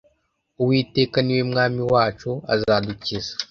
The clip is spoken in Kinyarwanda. Uwiteka ni we Mwami wacu azadukiza